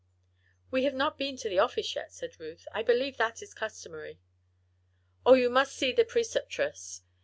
"We have not been to the office yet," said Ruth. "I believe that is customary?" "Oh, you must see the Preceptress.